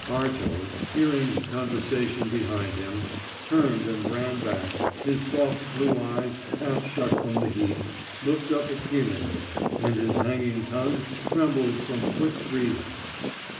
Arto, hearing conversation behind him, turned and ran back, his soft blue eyes, half shut from the heat, looked up appealingly, and his hanging tongue trembled from quick breathing.